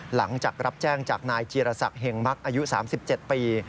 หลังจากรับแจ้งจากนายจีรศักดิงมักอายุ๓๗ปี